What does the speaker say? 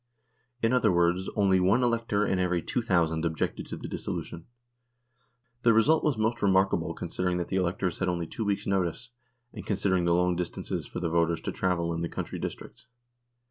In other words, only one elector in every 2,000 objected to the dissolution. The result was most remarkable considering that the electors had only two weeks' notice, and consider ing the long distances for the voters to travel in the country districts.